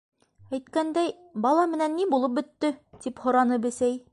—Әйткәндәй, бала менән ни булып бөттө? —тип һораны Бесәй.